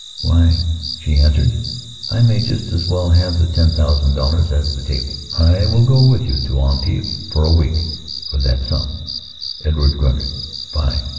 "Why," she answered, "I may just as well have the ten thousand dollars as the tables. I will go with you to Antibes for a week for that sum." Edward grunted: "Five."